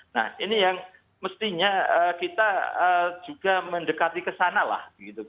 nah ini yang mestinya kita juga mendekati kesana lah